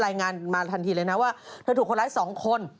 รายงานมาทันทีเลยนะว่าเธอถูกคนร้าย๒คน